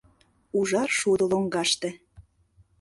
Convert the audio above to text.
Ужар шудо лоҥгаште